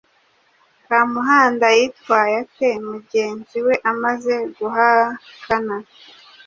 Kamuhanda yitwaye ate mugenzi we amaze guhakana